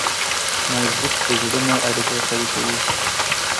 موزیک د زړونو اړیکه قوي کوي.